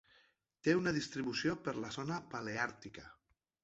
Té una distribució per la zona Paleàrtica: